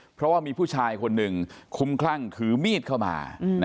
เพราะว่ามีผู้ชายคนหนึ่งคุ้มคลั่งถือมีดเข้ามา